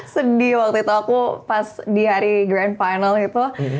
sedih waktu itu aku pas di hari grand final itu